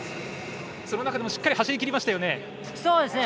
その中でもしっかり走り切りましたよね。